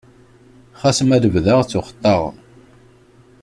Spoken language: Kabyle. Xas ma lebda ttuxeṭṭaɣ.